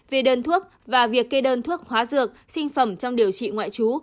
về đơn thuốc và việc kê đơn thuốc hóa dược sinh phẩm trong điều trị ngoại trú